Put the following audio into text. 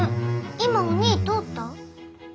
今おにぃ通った？